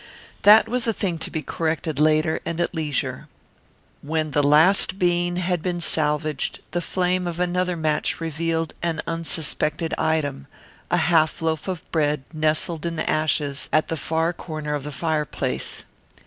That was a thing to be corrected later, and at leisure. When the last bean had been salvaged the flame of another match revealed an unsuspected item a half loaf of bread nestled in the ashes at the far corner of the fireplace.